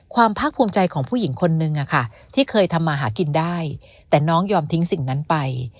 ภาคภูมิใจของผู้หญิงคนนึงที่เคยทำมาหากินได้แต่น้องยอมทิ้งสิ่งนั้นไป